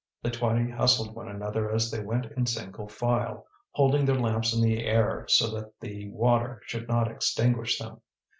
The twenty hustled one another as they went in single file, holding their lamps in the air so that the water should not extinguish them.